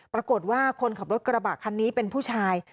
ปรากฏว่าคนขับรถกระบะคันนี้เป็นผู้ชาย